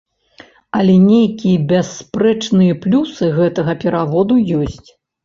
Але нейкія бясспрэчныя плюсы гэтага пераводу ёсць.